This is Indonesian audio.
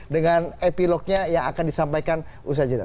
dengan epilog nya yang akan disampaikan usaha jadwal